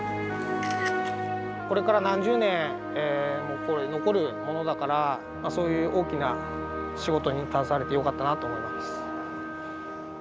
これからも何十年も残るものだからそういう大きな仕事に携われてよかったなと思います。